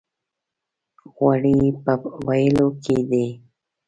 غوړي په وېل کې دي.